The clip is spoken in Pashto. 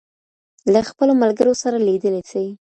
له خپلو ملګرو سره لیدلی سې.